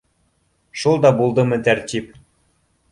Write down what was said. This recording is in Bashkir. Шул да булдымы тәртип